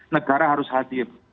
negara harus hadir